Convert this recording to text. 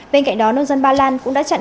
bên cạnh đó nông dân ba lan cũng đã chặn